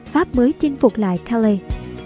pháp mới chinh phục lại calais